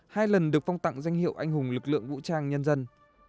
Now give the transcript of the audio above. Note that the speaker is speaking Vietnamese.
hai lần được phong tặng danh hiệu anh hùng lực lượng vũ trang nhân dân